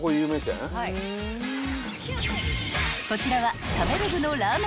［こちらは］